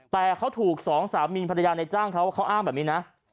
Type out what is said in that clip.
แต่เขาถูกสองสามีภรรยาในจ้างเขาเขาอ้างแบบนี้นะ